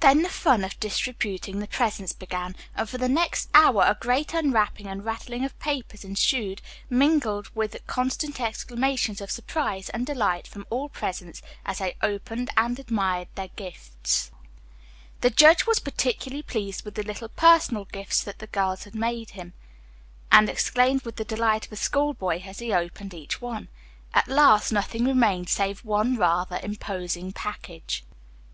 Then the fun of distributing the presents began, and for the next hour a great unwrapping and rattling of papers ensued, mingled with constant exclamations of surprise and delight from all present, as they opened and admired their gifts. The judge was particularly pleased with the little personal gifts that the girls themselves had made for him, and exclaimed with the delight of a schoolboy as he opened each one. At last nothing remained save one rather imposing package.